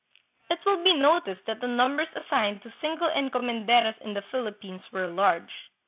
It will be noticed that the numbers assigned to single encomenderos in the Philippines were large.